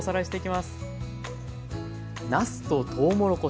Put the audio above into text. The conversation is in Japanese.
なすととうもろこし